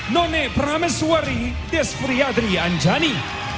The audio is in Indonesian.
none prameswari desfriadri anjani